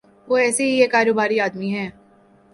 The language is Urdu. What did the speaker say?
وہ ایسے ہی ایک کاروباری آدمی ہیں۔